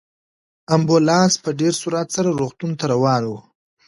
امبولانس په ډېر سرعت سره روغتون ته روان و.